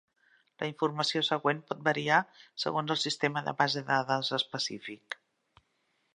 La informació següent pot variar segons el sistema de base de dades específic.